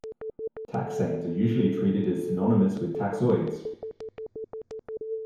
Taxanes are usually treated as synonymous with taxoids.